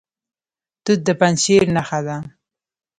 توت د پنجشیر نښه ده.